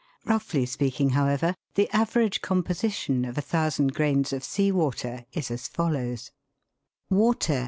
Roughly speaking, however, the average composition of 1,000 grains of sea water is as follows : Water